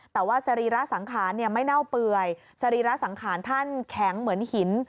แต่ว่าสรีระสังขารไม่เน่าเปื่อยสรีระสังขารท่านแข็งเหมือนหิน